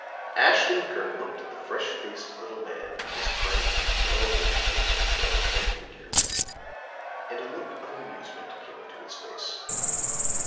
Ashton Kirk looked at the fresh faced little man with his frank, well opened eyes and well fed figure; and a look of amusement came into his face.